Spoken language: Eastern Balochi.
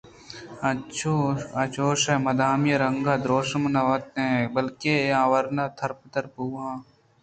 آ چوش مدامی رنگءُ درٛوشم ءَ نہ اَت بلکیں ءَ ورنا ترپدّر بوہان اَت